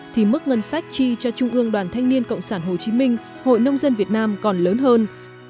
thì mức ngân sách chi cho trung ương đoàn thanh niên cộng sản hồ chí minh hội nông dân việt nam còn lớn hơn